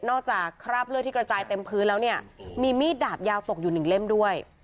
จากคราบเลือดที่กระจายเต็มพื้นแล้วเนี่ยมีมีดดาบยาวตกอยู่หนึ่งเล่มด้วย